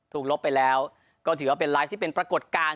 ลบไปแล้วก็ถือว่าเป็นไลฟ์ที่เป็นปรากฏการณ์